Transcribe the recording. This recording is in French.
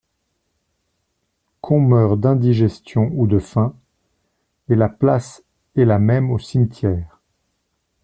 Qu'on meure d'indigestion ou de faim, et la place est la même au cimetière.